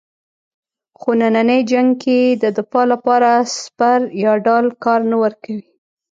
خو نننی جنګ کې د دفاع لپاره سپر یا ډال کار نه ورکوي.